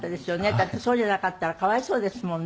だってそうじゃなかったら可哀想ですもんね。